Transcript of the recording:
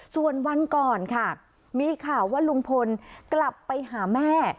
ส่วนวันก่อนค่ะมีข่าวว่าลุงพลกลับไปหาแม่